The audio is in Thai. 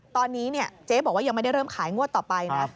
ตอนนี้เจ๊บอกว่ายังไม่ได้เริ่มขายงวดต่อไปนะ